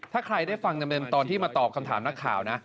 ถ้าใครได้ฟังจำเป็นตอนที่มาตอบคำถามนักข่าว